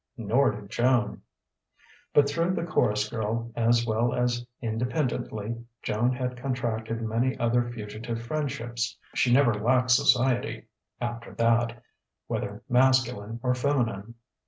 Nor did Joan. But through the chorus girl, as well as independently, Joan had contracted many other fugitive friendships. She never lacked society, after that, whether masculine or feminine.